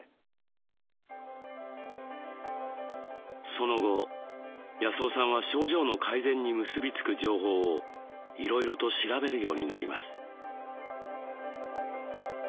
その後康雄さんは症状の改善に結び付く情報をいろいろと調べるようになります。